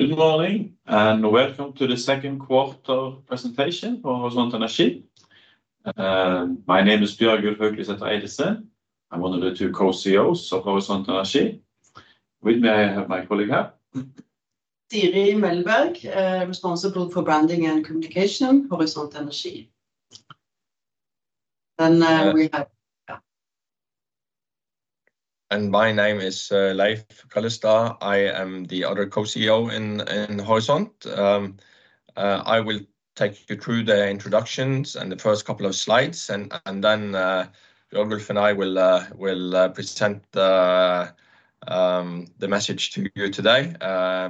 Good morning, and welcome to the second quarter presentation for Horisont Energi. My name is Bjørgulf Haukelidsæter Eidesen. I'm one of the two co-CEOs of Horisont Energi. With me, I have my colleague here. Siri Melleberg, responsible for branding and communication, Horisont Energi. Then we have. My name is Leif Kallestad. I am the other Co-CEO in Horisont. I will take you through the introductions and the first couple of slides, and then Bjørgulf and I will present the message to you today,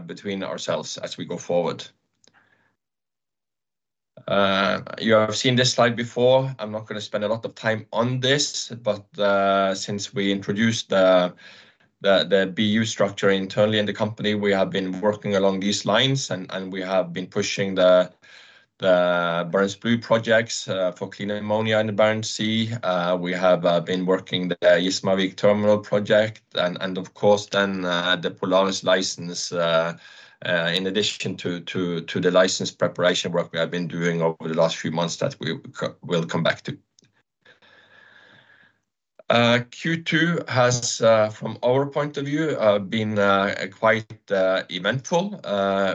between ourselves as we go forward. You have seen this slide before. I'm not gonna spend a lot of time on this, but since we introduced the BU structure internally in the company, we have been working along these lines, and we have been pushing the BarentsBlue projects for clean ammonia in the Barents Sea. We have been working the Gismarvik terminal project and of course then the Polaris license in addition to the license preparation work we have been doing over the last few months that we'll come back to. Q2 has from our point of view been quite eventful.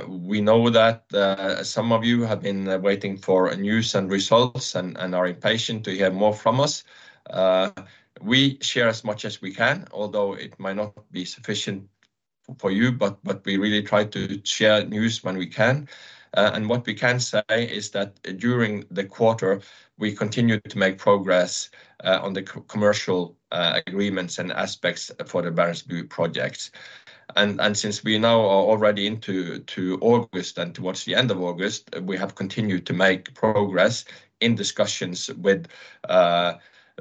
We know that some of you have been waiting for news and results and are impatient to hear more from us. We share as much as we can, although it might not be sufficient for you, but we really try to share news when we can. And what we can say is that during the quarter, we continued to make progress on the commercial agreements and aspects for the BarentsBlue projects. Since we now are already into August and towards the end of August, we have continued to make progress in discussions with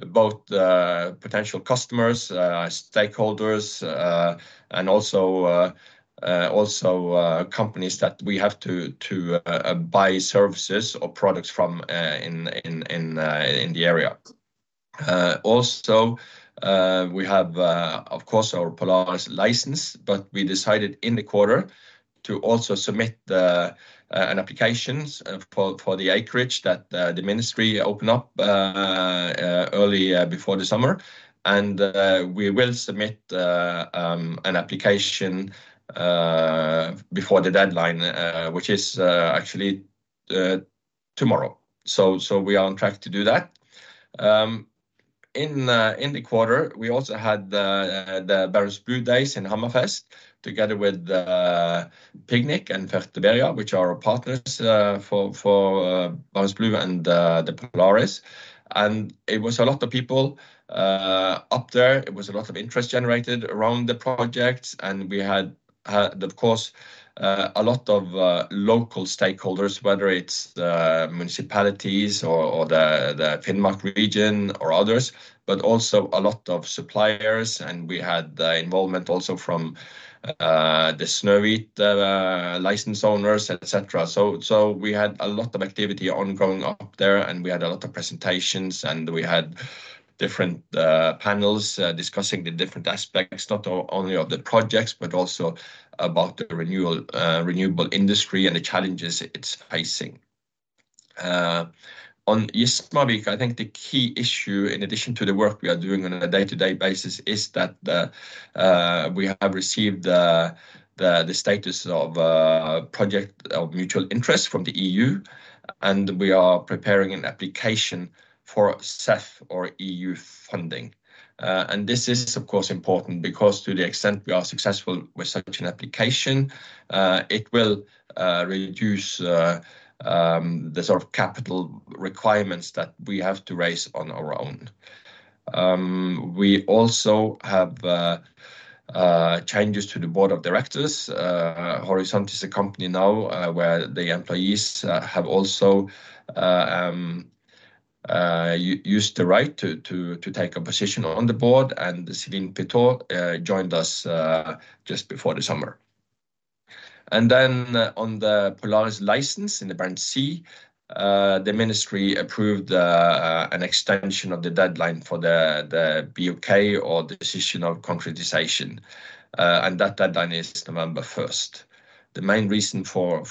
both potential customers, stakeholders, and also companies that we have to buy services or products from in the area. Also, we have of course our Polaris license, but we decided in the quarter to also submit an applications for the acreage that the ministry opened up early before the summer. We will submit an application before the deadline, which is actually tomorrow. So we are on track to do that. In the quarter, we also had the BarentsBlue Days in Hammerfest, together with PGNiG and Fertiberia, which are our partners, for BarentsBlue and the Polaris. It was a lot of people up there. It was a lot of interest generated around the projects, and we had, of course, a lot of local stakeholders, whether it's the municipalities or the Finnmark region or others, but also a lot of suppliers, and we had the involvement also from the Snøhvit license owners, et cetera. So we had a lot of activity ongoing up there, and we had a lot of presentations, and we had different panels discussing the different aspects, not only of the projects, but also about the renewable industry and the challenges it's facing. On Gismarvik, I think the key issue, in addition to the work we are doing on a day-to-day basis, is that we have received the status of project of mutual interest from the EU, and we are preparing an application for CEF or EU funding. This is, of course, important because to the extent we are successful with such an application, it will reduce the capital requirements that we have to raise on our own. We also have changes to the board of directors. Horisont is a company now where the employees have also used the right to take a position on the board, and Céline Pitet joined us just before the summer. Then on the Polaris license in the Barents Sea, the ministry approved an extension of the deadline for the BOK, or Decision of Concretization, and that deadline is November 1st. The main reason for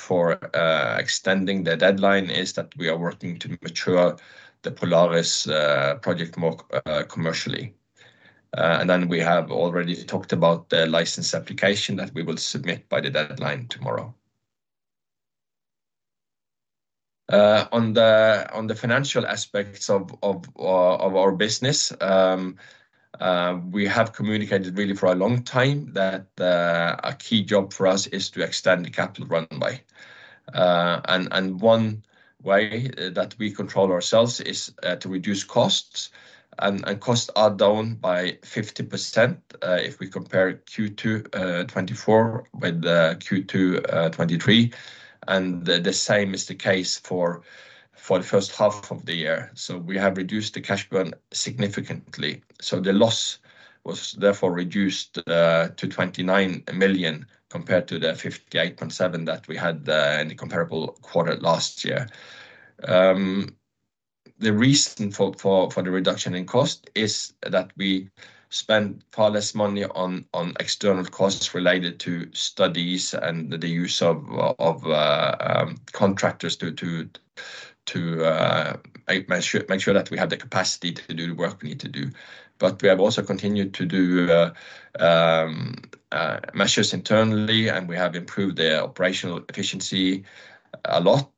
extending the deadline is that we are working to mature the Polaris project more commercially. Then we have already talked about the license application that we will submit by the deadline tomorrow. On the financial aspects of our business, we have communicated really for a long time that a key job for us is to extend the capital runway. One way that we control ourselves is to reduce costs, and costs are down by 50% if we compare Q2 2024 with Q2 2023. The same is the case for the first half of the year. We have reduced the cash burn significantly. The loss was therefore reduced to 29 million, compared to the 58.7 million that we had in the comparable quarter last year. The reason for the reduction in cost is that we spend far less money on external costs related to studies and the use of contractors to make sure that we have the capacity to do the work we need to do. We have also continued to do measures internally, and we have improved the operational efficiency a lot.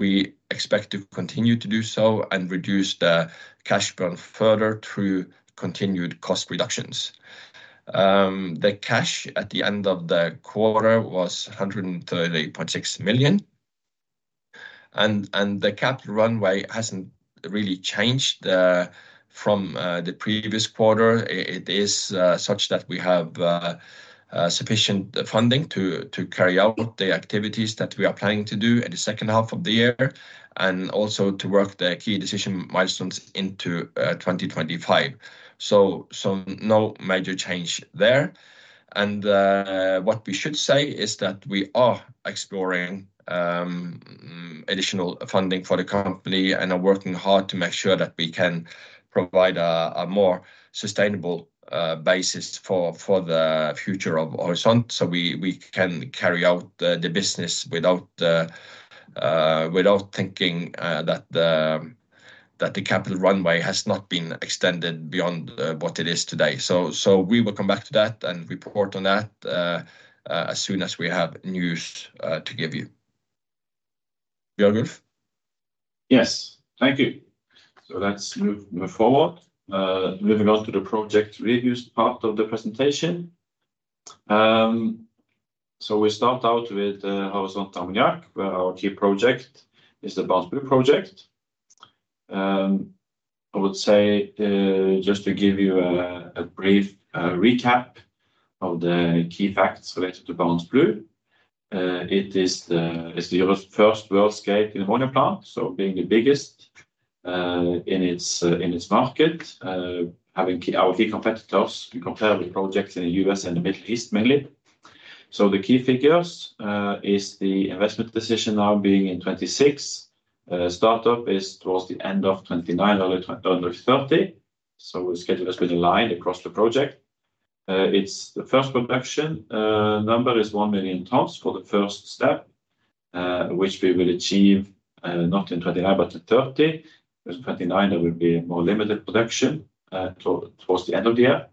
We expect to continue to do so and reduce the cash burn further through continued cost reductions. The cash at the end of the quarter was 138.6 million, and the capital runway hasn't really changed from the previous quarter. It is such that we have sufficient funding to carry out the activities that we are planning to do in the second half of the year, and also to work the key decision milestones into 2025. No major change there. What we should say is that we are exploring additional funding for the company and are working hard to make sure that we can provide a more sustainable basis for the future of Horisont. We can carry out the business without thinking that the capital runway has not been extended beyond what it is today. We will come back to that and report on that, as soon as we have news to give you. Bjørgulf? Yes. Thank you. Let's move forward. Moving on to the project reviews part of the presentation. We start out with Horisont Ammoniakk, where our key project is the BarentsBlue project. I would say just to give you a brief recap of the key facts related to BarentsBlue. It is the, it's the world's first world-scale clean ammonia plant, so being the biggest in its market, having key. Our key competitors, we compare with projects in the U.S. and the Middle East, mainly. The key figures is the investment decision now being in 2026. Startup is towards the end of 2029, under 2030. So schedule has been aligned across the project. It's the first production. Number is 1 million tons for the first step, which we will achieve not in 2029, but in 2030, because 2029, there will be a more limited production towards the end of the year.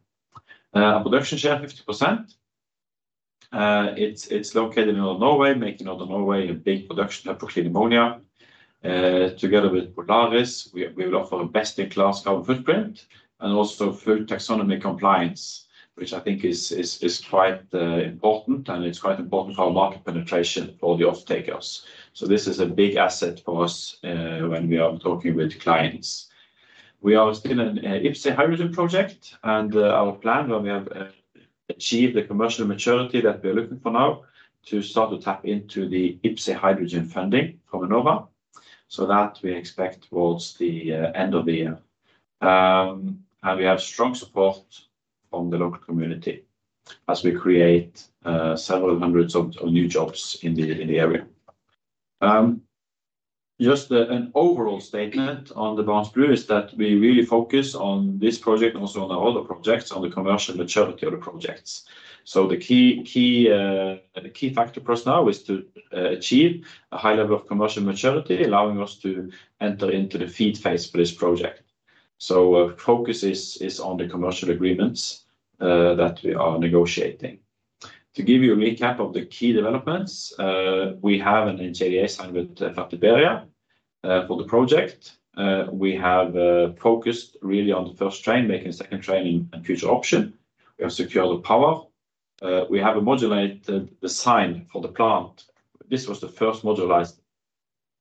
A production share, 50%. It's located in Northern Norway, making Northern Norway a big production hub for clean ammonia. Together with Polaris, we will offer a best-in-class carbon footprint and also full taxonomy compliance, which I think is quite important, and it's quite important for our market penetration for the off-takers. So this is a big asset for us when we are talking with clients. We are still in an IPCEI hydrogen project, and our plan, when we have achieved the commercial maturity that we're looking for now, to start to tap into the IPCEI hydrogen funding from Enova, so that we expect towards the end of the year, and we have strong support from the local community as we create several hundreds of new jobs in the area. Just an overall statement on the BarentsBlue is that we really focus on this project, and also on the other projects, on the commercial maturity of the projects, so the key factor for us now is to achieve a high level of commercial maturity, allowing us to enter into the FEED phase for this project, so our focus is on the commercial agreements that we are negotiating. To give you a recap of the key developments, we have a JDA signed with Fertiberia for the project. We have focused really on the first train, making second train in a future option. We have secured the power. We have a modular design for the plant. This was the first modularized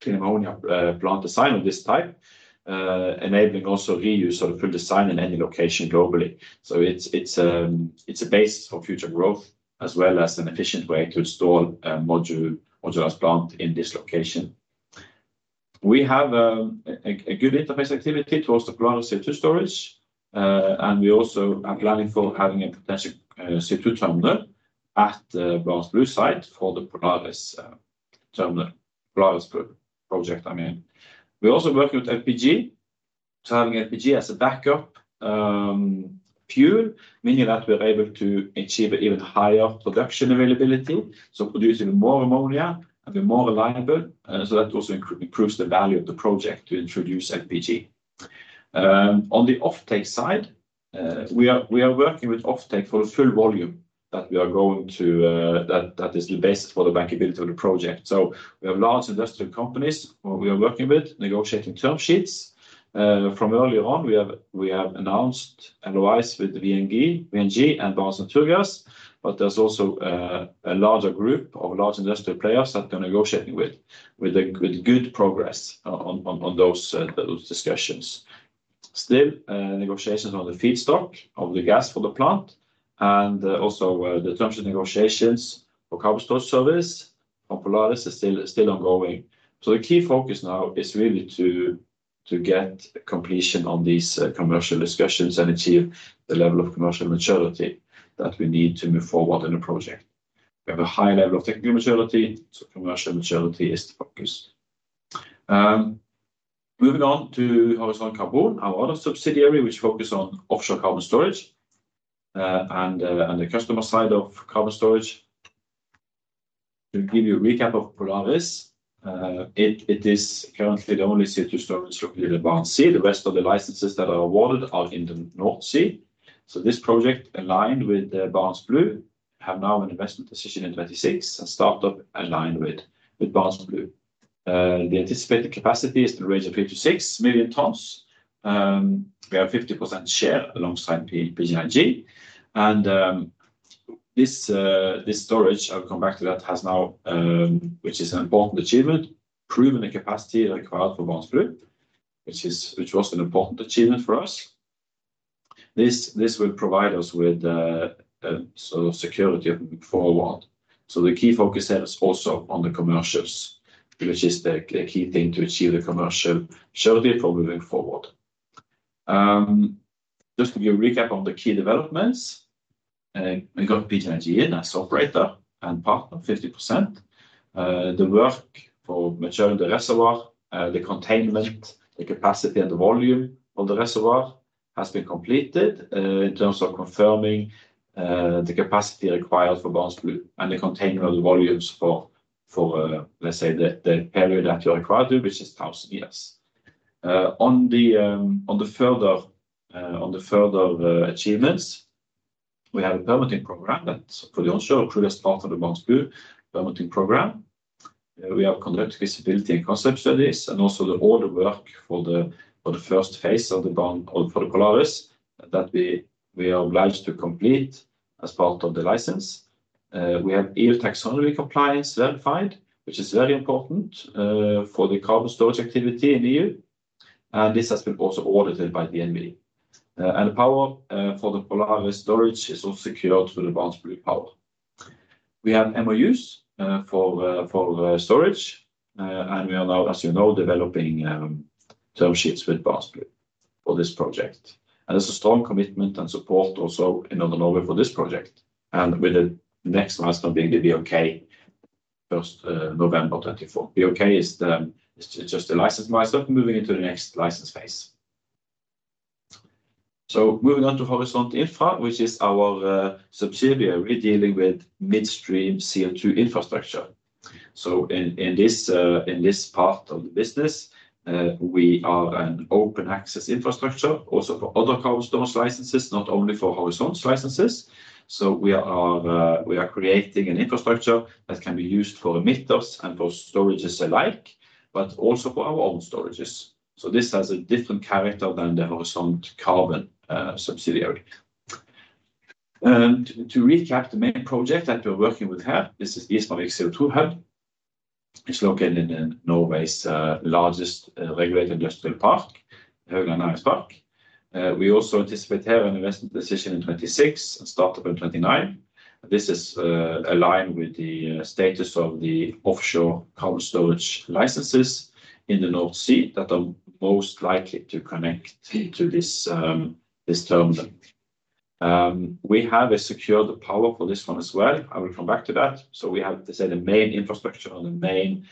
clean ammonia plant design of this type, enabling also reuse of the design in any location globally. So it's a base for future growth, as well as an efficient way to install a modularized plant in this location. We have a good interface activity towards the Polaris CO2 storage, and we also are planning for having a potential CO2 terminal at the BarentsBlue site for the Polaris terminal, Polaris project, I mean. We're also working with LPG, so having LPG as a backup, fuel, meaning that we're able to achieve an even higher production availability, so producing more ammonia and be more reliable, so that also improves the value of the project to introduce LPG. On the offtake side, we are working with offtake for the full volume that we are going to, that is the base for the bankability of the project. We have large industrial companies who we are working with, negotiating term sheets. From earlier on, we have announced LOIs with VNG and Barents Naturgass, but there's also a larger group of large industrial players that we are negotiating with, with good progress on those discussions. Still, negotiations on the feedstock of the gas for the plant and also the term sheet negotiations for carbon storage service on Polaris is still ongoing. So the key focus now is really to get completion on these commercial discussions and achieve the level of commercial maturity that we need to move forward in the project. We have a high level of technical maturity, so commercial maturity is the focus. Moving on to Horisont Carbon, our other subsidiary, which focus on offshore carbon storage and the customer side of carbon storage. To give you a recap of Polaris, it is currently the only CO2 storage facility in the Barents Sea. The rest of the licenses that are awarded are in the North Sea. This project, aligned with the BarentsBlue, have now an investment decision in 2026, and start up aligned with BarentsBlue. The anticipated capacity is in the range of three to six million tons. We have 50% share alongside PGNiG. This storage, I'll come back to that, has now, which is an important achievement, proven the capacity required for BarentsBlue, which was an important achievement for us. This will provide us with security for award. The key focus there is also on the commercials, which is the key thing to achieve the commercial surely for moving forward. Just to give a recap on the key developments, we got PGNiG in as operator and partner, 50%. The work for maturing the reservoir, the containment, the capacity, and the volume of the reservoir has been completed, in terms of confirming, the capacity required for BarentsBlue and the containment of the volumes for, let's say, the period that you are required to, which is thousand years. On the further achievements, we have a permitting program that for the onshore, crucial part of the BarentsBlue permitting program. We have conducted feasibility and concept studies, and also all the work for the first phase of the Polaris, that we are obliged to complete as part of the license. We have EU taxonomy compliance verified, which is very important, for the carbon storage activity in the EU, and this has been also audited by DNV. The power for the Polaris storage is also secured through the BarentsBlue power. We have MOUs for storage, and we are now, as you know, developing term sheets with BarentsBlue for this project. There's a strong commitment and support also in Northern Norway for this project, and with the next milestone being the BOK, first November twenty twenty-four. BOK is just a license milestone, moving into the next license phase. Moving on to Horisont Infra, which is our subsidiary, really dealing with midstream CO2 infrastructure. In this part of the business, we are an open access infrastructure, also for other carbon storage licenses, not only for Horisont licenses. We are creating an infrastructure that can be used for emitters and for storages alike, but also for our own storages. So this has a different character than the Horisont Carbon subsidiary. To recap, the main project that we're working with here, this is Gismarvik CO2 Hub. It's located in Norway's largest regulated industrial park, Haugaland Industrial Park. We also anticipate here an investment decision in 2026 and start up in 2029. This is aligned with the status of the offshore carbon storage licenses in the North Sea that are most likely to connect to this terminal. We have a secured power for this one as well. I will come back to that. So we have to say the main infrastructure or the main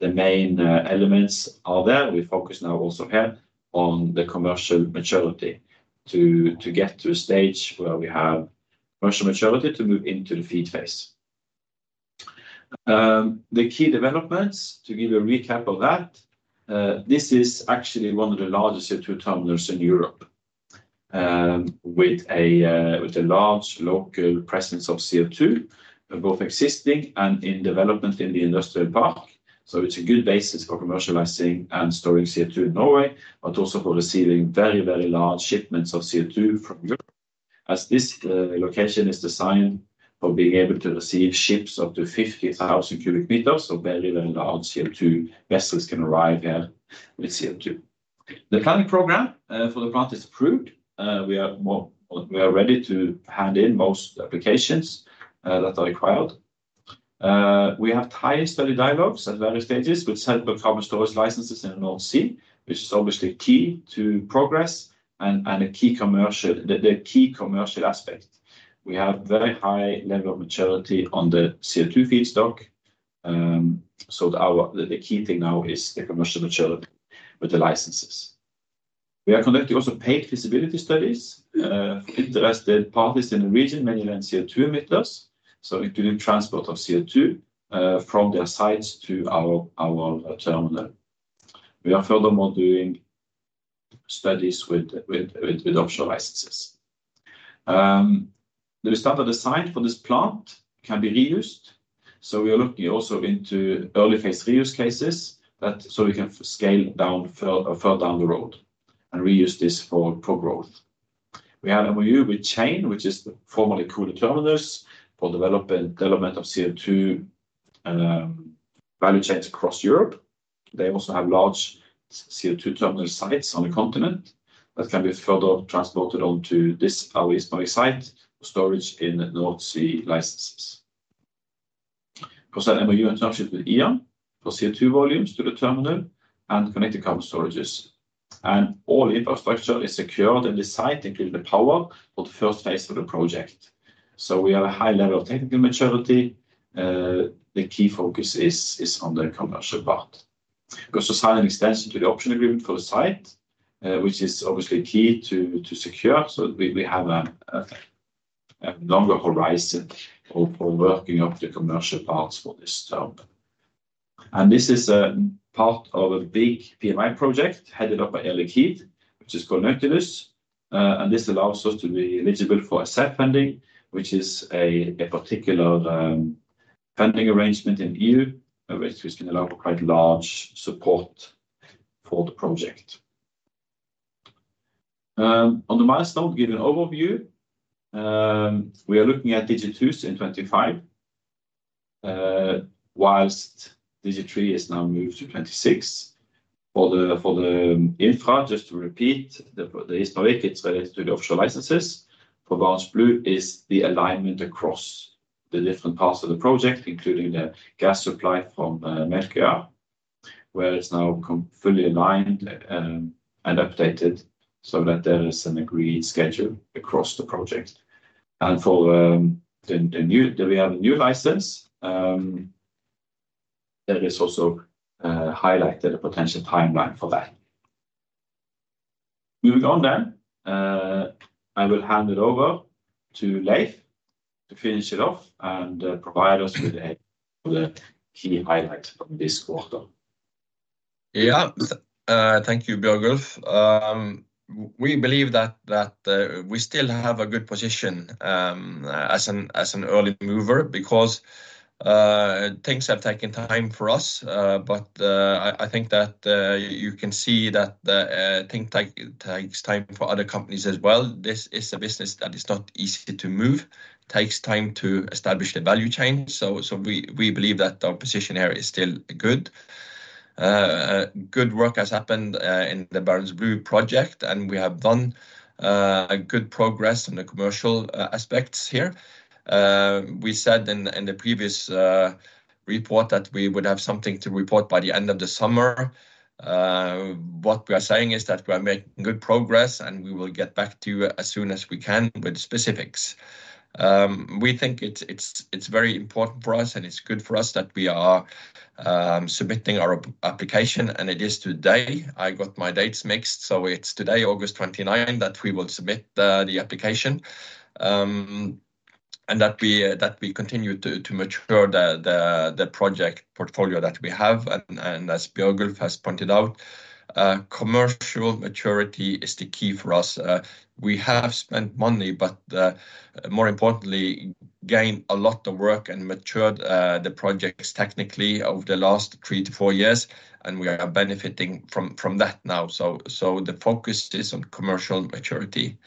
elements are there. We focus now also here on the commercial maturity, to get to a stage where we have commercial maturity to move into the FEED phase. The key developments, to give a recap of that, this is actually one of the largest CO2 terminals in Europe, with a large local presence of CO2, both existing and in development in the industrial park. It's a good basis for commercializing and storing CO2 in Norway, but also for receiving very, very large shipments of CO2 from Europe, as this location is designed for being able to receive ships up to 50,000 cubic meters. Very, very large CO2 vessels can arrive here with CO2. The planning program for the plant is approved. We are ready to hand in most applications that are required. We have tight study dialogues at various stages with several carbon storage licenses in North Sea, which is obviously key to progress and a key commercial aspect. We have very high level of maturity on the CO2 feedstock. So the key thing now is the commercial maturity with the licenses. We are conducting also paid feasibility studies interested parties in the region, many are CO2 emitters, so including transport of CO2 from their sites to our terminal. We are furthermore doing studies with offshore licenses. The standard design for this plant can be reused, so we are looking also into early phase reuse cases so we can scale down further down the road and reuse this for growth. We have an MOU with Chane, which is formerly Koole Terminals, for development of CO2 value chains across Europe. They also have large CO2 terminal sites on the continent that can be further transported onto this, our Gismarvik site, for storage in North Sea licenses. We have an MOU and term sheet with E.ON for CO2 volumes to the terminal and connected carbon storages. All infrastructure is secured in the site, including the power for the first phase of the project. We have a high level of technical maturity. The key focus is on the commercial part. We also sign an extension to the option agreement for the site, which is obviously key to secure, so we have a longer horizon for working up the commercial parts for this term. This is part of a big PMI project headed up by Elleke Heath, which is called Octopus. This allows us to be eligible for a CEF funding, which is a particular funding arrangement in EU, which has been allowed for quite large support for the project. On the milestone, give an overview. We are looking at DG2 in twenty twenty-five, while DG3 is now moved to twenty-six. For the infra, just to repeat, the Gismarvik, it's related to the offshore licenses. For BarentsBlue is the alignment across the different parts of the project, including the gas supply from Melkøya, where it's now fully aligned and updated, so that there is an agreed schedule across the project. For the new, we have a new license. There is also highlighted a potential timeline for that. Moving on, then, I will hand it over to Leif to finish it off and provide us with the key highlights from this quarter. Yeah. Thank you, Bjørgulf. We believe that we still have a good position as an early mover because things have taken time for us. But I think that you can see that things take time for other companies as well. This is a business that is not easy to move. It takes time to establish the value chain. So we believe that our position here is still good. Good work has happened in the BarentsBlue project, and we have done good progress in the commercial aspects here. We said in the previous report that we would have something to report by the end of the summer. What we are saying is that we are making good progress, and we will get back to you as soon as we can with specifics. We think it's very important for us, and it's good for us that we are submitting our application, and it is today. I got my dates mixed, so it's today, August twenty-nine, that we will submit the application. That we continue to mature the project portfolio that we have. As Bjørgulf has pointed out, commercial maturity is the key for us. We have spent money, but more importantly, gained a lot of work and matured the projects technically over the last three to four years, and we are benefiting from that now. The focus is on commercial maturity.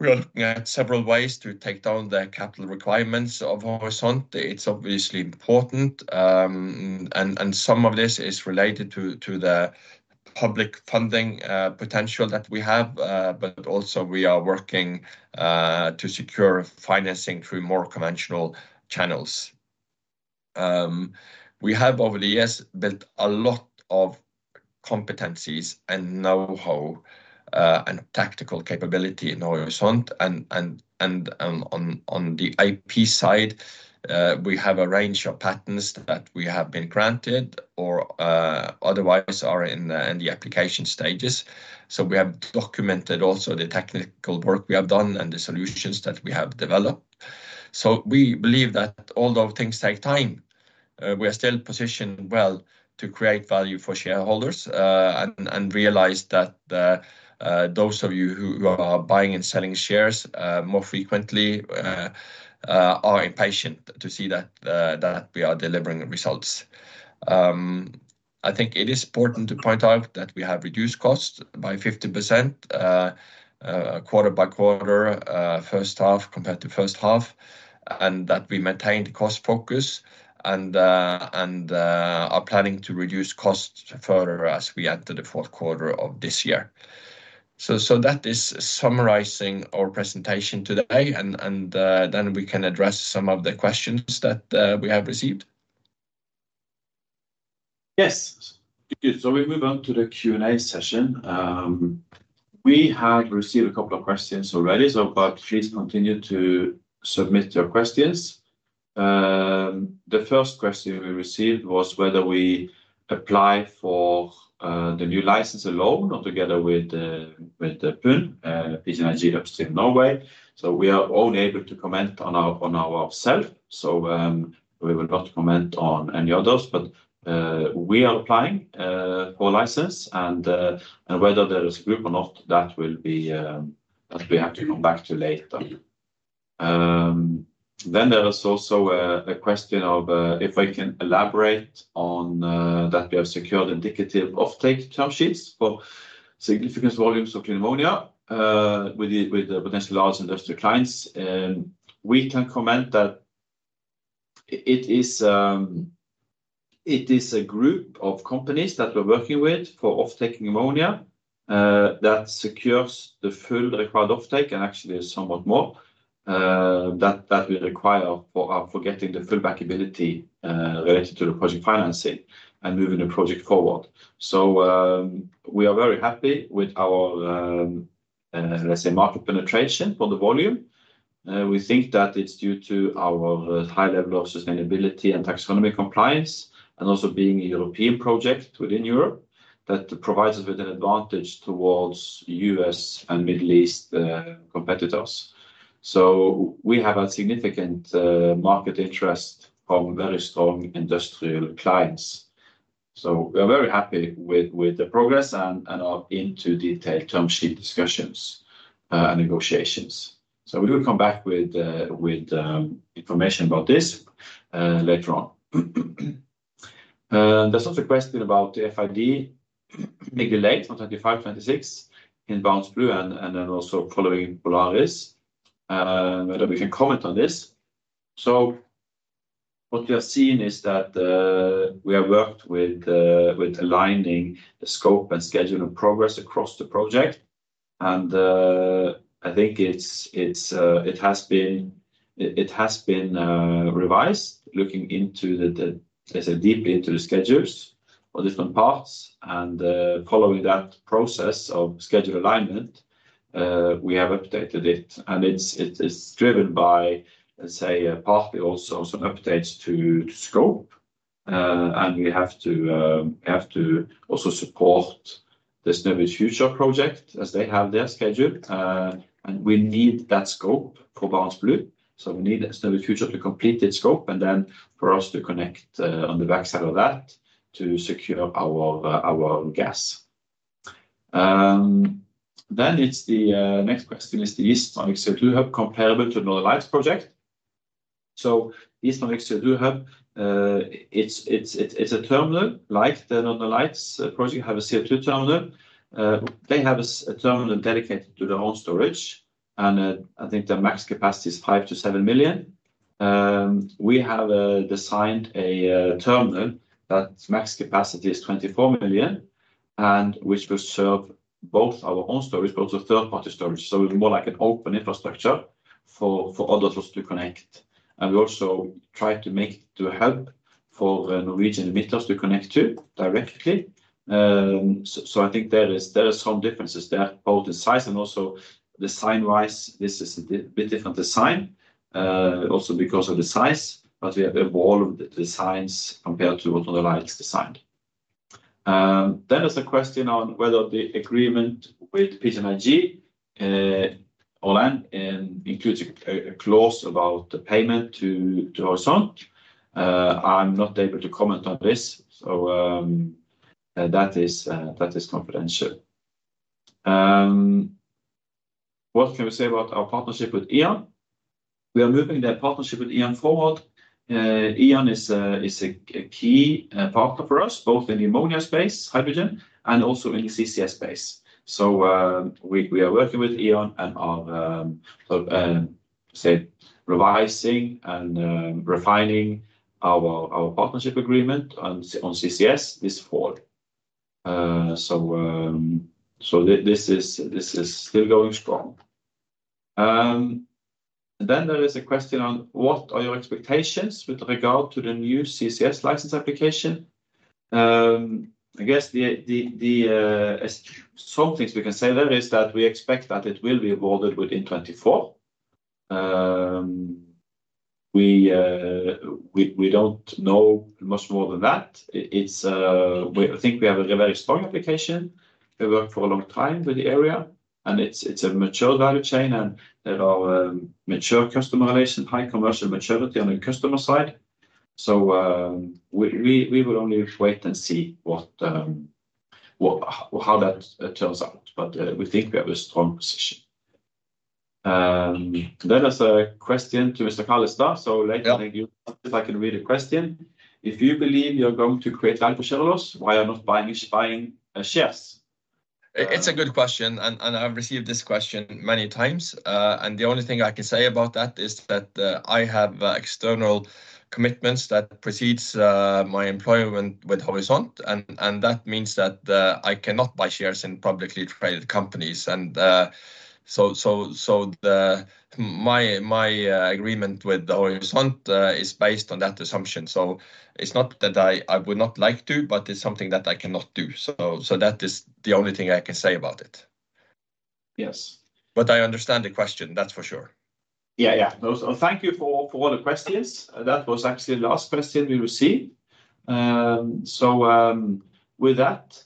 We are looking at several ways to take down the capital requirements of Horisont. It's obviously important, and some of this is related to the public funding potential that we have, but also we are working to secure financing through more conventional channels. We have over the years built a lot of competencies and know-how, and tactical capability in Horisont, and on the IP side, we have a range of patents that we have been granted or otherwise are in the application stages, so we have documented also the technical work we have done and the solutions that we have developed. We believe that although things take time, we are still positioned well to create value for shareholders, and realize that those of you who are buying and selling shares more frequently are impatient to see that we are delivering results. I think it is important to point out that we have reduced costs by 50%, quarter by quarter, first half compared to first half, and that we maintained cost focus and are planning to reduce costs further as we enter the fourth quarter of this year. That is summarizing our presentation today, and then we can address some of the questions that we have received. We move on to the Q&A session. We have received a couple of questions already, so but please continue to submit your questions. The first question we received was whether we apply for the new license alone or together with the PGNiG Upstream Norway. We are only able to comment on ourselves, so we will not comment on any others, but we are applying for license, and whether there is group or not, that will be that we have to come back to later. Then there is also a question of if I can elaborate on that we have secured indicative offtake term sheets for significant volumes of clean ammonia with potential large industrial clients. We can comment that. It is a group of companies that we're working with for offtaking ammonia that secures the full required offtake, and actually is somewhat more than we require for getting the full bankability related to the project financing and moving the project forward. We are very happy with our, let's say, market penetration for the volume. We think that it's due to our high level of sustainability and taxonomy compliance, and also being a European project within Europe that provides us with an advantage towards US and Middle East competitors. We have a significant market interest from very strong industrial clients. We are very happy with the progress and are into detailed term sheet discussions and negotiations. We will come back with information about this later on. There's also a question about the FID, maybe late 2025, 2026 in BarentsBlue and then also following Polaris. Whether we can comment on this? What we are seeing is that we have worked with aligning the scope and schedule and progress across the project, and I think it has been revised, looking into the, let's say, deep into the schedules for different parts. Following that process of schedule alignment, we have updated it, and it is driven by, let's say, partly also some updates to scope. We have to also support the Snøhvit Future project as they have their schedule. We need that scope for BarentsBlue, so we need Snøhvit Future to complete its scope, and then for us to connect on the back side of that to secure our gas. Then it's the next question, "Is the Gismarvik CO2 Hub comparable to Northern Lights project?" So Gismarvik CO2 Hub, it's a terminal like the Northern Lights project. They have a CO2 terminal. They have a terminal dedicated to their own storage, and I think their max capacity is 5-7 million. We have designed a terminal that's max capacity is 24 million, and which will serve both our own storage, but also third-party storage. It's more like an open infrastructure for other folks to connect. We also try to make it to help for Norwegian emitters to connect to directly, so I think there are some differences there, both in size and also design-wise. This is a bit different design, also because of the size, but we have evolved the designs compared to what Northern Lights designed. There is a question on whether the agreement with PGNiG, Orlen, and includes a clause about the payment to Horisont. I'm not able to comment on this, so that is confidential. What can we say about our partnership with E.ON? We are moving the partnership with E.ON forward. E.ON is a key partner for us, both in the ammonia space, hydrogen, and also in the CCS space. We are working with E.ON and are revising and refining our partnership agreement on CCS this fall. This is still going strong. There is a question on, "What are your expectations with regard to the new CCS license application?" I guess some things we can say there is that we expect that it will be awarded within 2024. We don't know much more than that. It's I think we have a very strong application. We worked for a long time with the area, and it's a mature value chain, and there are mature customer relations, high commercial maturity on the customer side. We would only wait and see what - how that turns out, but, we think we have a strong position. Then there's a question to Mr. Carlestar. If I can read the question: "If you believe you're going to create value for shareholders, why you are not buying shares? It's a good question, and I've received this question many times. The only thing I can say about that is that I have external commitments that precedes my employment with Horisont, and that means that I cannot buy shares in publicly traded companies. My agreement with Horisont is based on that assumption. It's not that I would not like to, but it's something that I cannot do. That is the only thing I can say about it. Yes. But I understand the question, that's for sure. Yeah, yeah. Thank you for all the questions. That was actually the last question we received. With that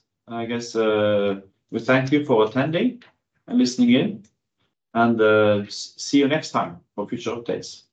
we thank you for attending and listening in and, see you next time for future updates.